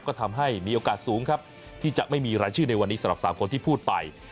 ก็ทำให้มีโอกาสสูงครับที่จะไม่มีรายชื่อในวันนี้สำหรับ๓คนที่พูดไป